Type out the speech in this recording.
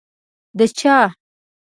د چا؟